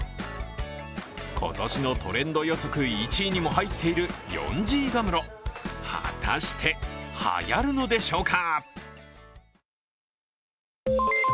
今年のトレンド予測１位にも入っているヨンジーガムロ、果たして、はやるのでしょうか。